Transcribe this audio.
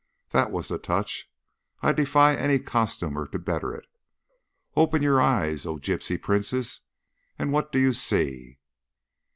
"That was the touch. I defy any costumer to better it. Open your eyes, oh, gypsy princess! And what do you see?"